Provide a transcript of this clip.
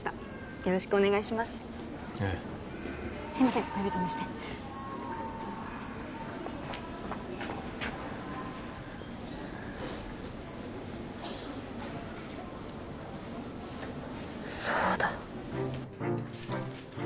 よろしくお願いしますええすいませんお呼び止めしてそうだ！